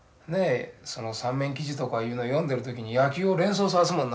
その三面記事とかいうの読んでる時に野球を連想さす